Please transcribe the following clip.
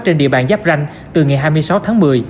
trên địa bàn giáp ranh từ ngày hai mươi sáu tháng một mươi